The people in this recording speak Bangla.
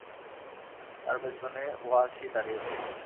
তার পেছনে ওয়াহশী দাঁড়িয়ে ছিল।